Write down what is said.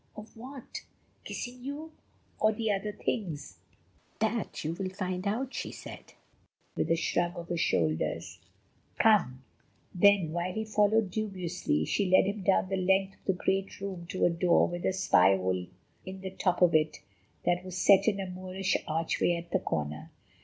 "Of what? Kissing you? Or the other things?" "That you will find out," she said, with a shrug of her shoulders. "Come!" Then, while he followed dubiously, she led him down the length of the great room to a door with a spy hole in the top of it, that was set in a Moorish archway at the corner.